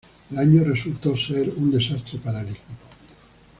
El año resultó ser un desastre para el equipo.